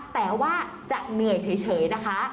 แต่ว่าจะเหนื่อยเฉยนะคะ